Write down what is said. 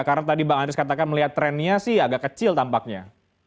karena tadi bang andreas katakan melihat trennya sih agak kecil tampaknya